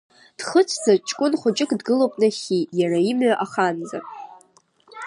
Дхыцәӡа ҷкәын хәыҷык дгылоуп нахьхьи, иара имҩа аханӡа.